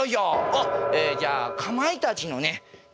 おっじゃあかまいたちのね